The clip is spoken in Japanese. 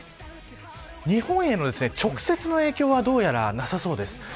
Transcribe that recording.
日本への直接の影響はどうやらなさそうです。